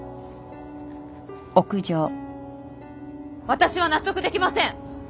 私は納得できません。